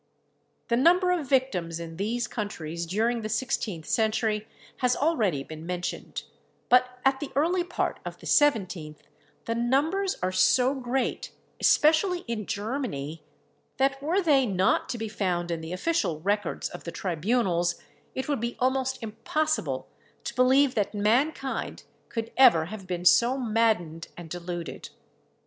The number of victims in these countries during the sixteenth century has already been mentioned; but at the early part of the seventeenth, the numbers are so great, especially in Germany, that were they not to be found in the official records of the tribunals, it would be almost impossible to believe that mankind could ever have been so maddened and deluded.